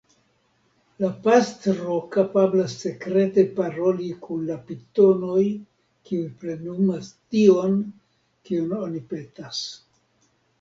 La pastro kapablas sekrete paroli kun la pitonoj kiuj plenumas tion, kion oni petas.